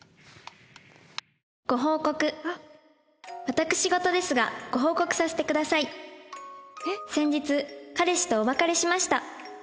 「ご報告」「私事ですがご報告させてください」「先日彼氏とお別れしました」